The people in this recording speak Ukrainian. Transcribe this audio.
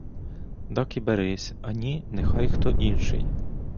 Дак і берись, а ні — нехай хто інший.